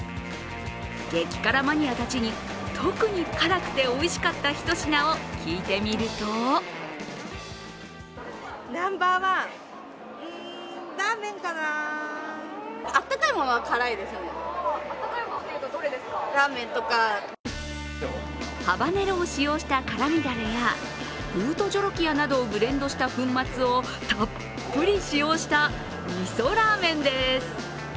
激辛マニアたちに特に辛くておいしかったひと品を聞いてみるとハバネロを使用した辛みだれやブートジョロキアなどをブレンドした粉末をたっぷり使用したみそラーメンです。